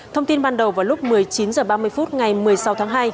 thông tin ban đầu vào lúc một mươi chín h ba mươi phút ngày một mươi sáu tháng hai